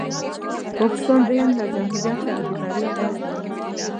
پاکستان د هند له جمهوریت سره د بریا ورځ نمانځي.